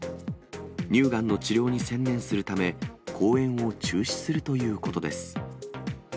乳がんの治療に専念するため、公演を中止するということです。